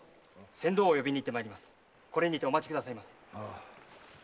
これにてお待ちくださいませ。